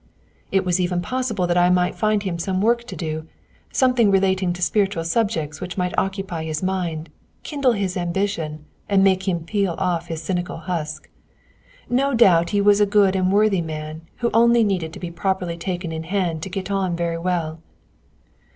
It was even possible that I might find him some work to do, something relating to spiritual subjects which might occupy his mind, kindle his ambition, and make him peel off his cynical husk. No doubt he was a good and worthy man, who only needed to be properly taken in hand to get on very well.